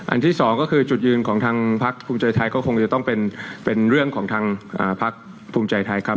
ที่สองก็คือจุดยืนของทางพักภูมิใจไทยก็คงจะต้องเป็นเรื่องของทางพักภูมิใจไทยครับ